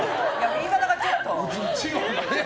言い方がちょっと。